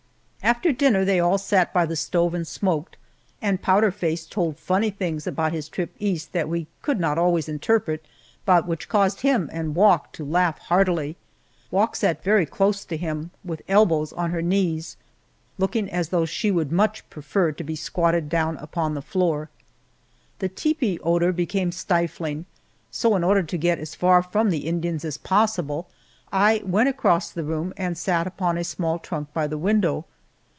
After dinner they all sat by the stove and smoked, and Powder Face told funny things about his trip East that we could not always interpret, but which caused him and Wauk to laugh heartily. Wauk sat very close to him, with elbows on her knees, looking as though she would much prefer to be squatted down upon the floor. The tepee odor became stifling, so in order to get as far from the Indians as possible, I went across the room and sat upon a small trunk by the window.